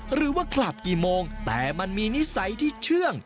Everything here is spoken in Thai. หรือว่ากลับกี่โมงแต่มันมีนิสัยที่เชื่อง